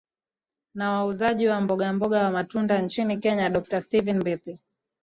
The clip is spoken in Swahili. na wauzaji wa mbogamboga wa matunda nchini kenya dokta stephen mbithi